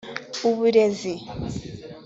uburezi